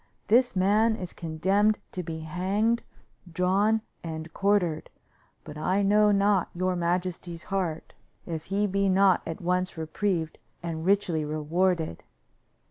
This man is condemned to be hanged, drawn and quartered, but I know not your majesty's heart if he be not at once reprieved and richly rewarded.